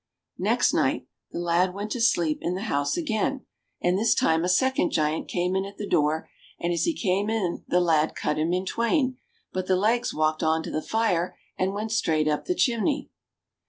Next night the lad went to sleep in the house again, and this time a second giant came in at the door, and as he came in the lad cut him in twain ; but the legs walked on to the fire and went straight up the chimney.